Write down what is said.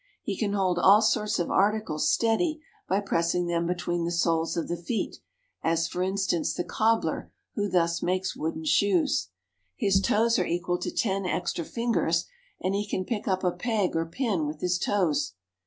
He can hold all sorts of articles steady by pressing them between the soles of the feet, as, for instance, the cobbler who thus makes wooden shoes. His toes are equal to ten extra fingers, and he can pick up a peg or pin with his toes.